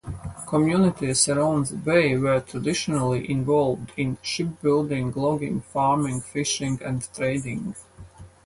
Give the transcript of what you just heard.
Communities around the bay were traditionally involved in shipbuilding, logging, farming, fishing and trading.